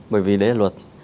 bởi vì đấy là luật